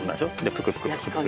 プクプクプクプク。